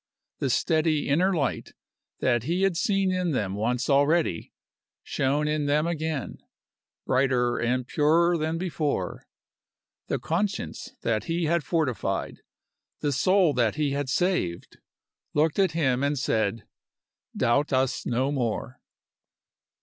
The steady inner light that he had seen in them once already shone in them again, brighter and purer than before. The conscience that he had fortified, the soul that he had saved, looked at him and said, Doubt us no more!